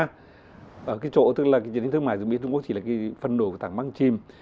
cái chỗ tức là cái chiến tranh thương mại giữa mỹ và trung quốc chỉ là cái phần nổi của tảng băng chìm